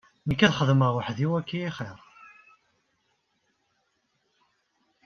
Nekk ad xedmeɣ weḥd-i axir-iw.